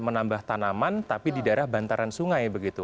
menambah tanaman tapi di daerah bantaran sungai begitu